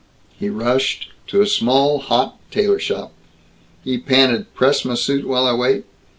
He rushed to a small, hot tailor shop. He panted "Press m' suit while I wait?"